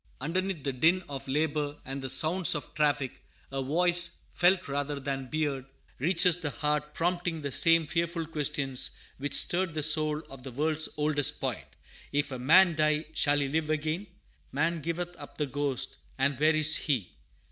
Underneath the din of labor and the sounds of traffic, a voice, felt rather than beard, reaches the heart, prompting the same fearful questions which stirred the soul of the world's oldest poet, "If a man die, shall he live again?" "Man giveth up the ghost, and where is he?"